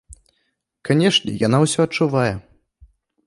Канешне, яна ўсё адчувае.